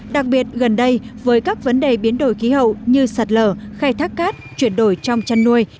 đặc biệt gần đây với các vấn đề biến đổi khí hậu như sạt lở khai thác cát chuyển đổi trong chăn nuôi